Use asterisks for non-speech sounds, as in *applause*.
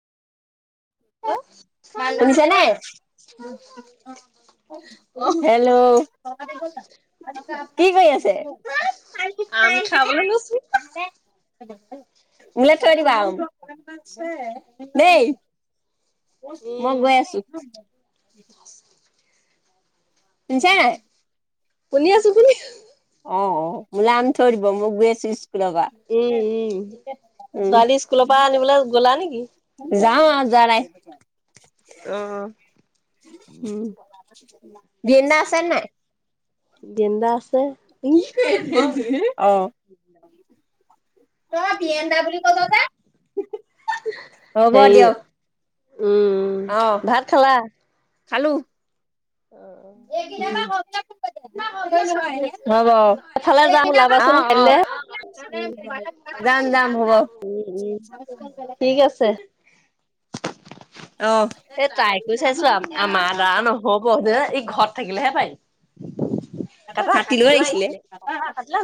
অ শুনিছে নাই হেল্ল' কি কৰি আছে। আম খাবলৈ লৈছো হব হা। মোলে থৈ দিবা আৰু দেই। মই গৈ আছোঁ *unintelligible* শুনি আছো শুনিছ অঁ অঁ জোলাই আনি থৈ দিব মোৰ গৈচিচ উম উম উম, ছোৱালী স্কুলৰ পৰা আনিবলৈ গলা নিকি যাওঁ আৰু যোৱা নাই। অ উম আ *inaudible* জিন্দা আছে। কি কয় এইবিলাক আপুনি? অ ' হব হেৰি দিয়ক। উম অ', ভাত খালা? খালো। *inaudible* হব অ এফালে যাম -অ ওলাবাচোন কাইলে উম যাম যাম হব। উম উম অ', এ তাই কৈ চাইছো আমাৰ দাৰা নহ' ব দে ই ঘৰত থাকিলেহে পাৰি। তাপা কাটি লোৱা আহিছিলে কাতি ল'